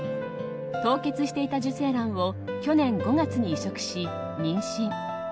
凍結していた受精卵を去年５月に移植し、妊娠。